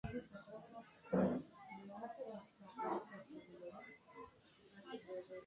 দেখছিসনে এখনও রোজ আমি ডামবেল কষি।